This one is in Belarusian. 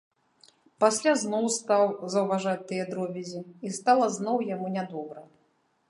Пасля зноў стаў заўважаць тыя дробязі, і стала зноў яму нядобра.